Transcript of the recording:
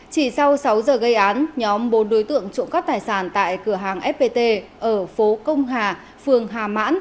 chỉ sau sáu giờ gây án nhóm bốn đối tượng trộm cắp tài sản tại cửa hàng fpt ở phố công hà phường hà mãn